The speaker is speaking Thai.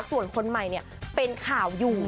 ส่วนคนใหม่เป็นข่าวอยู่